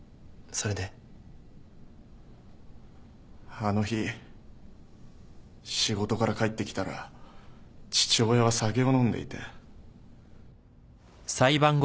あの日仕事から帰ってきたら父親は酒を飲んでいて。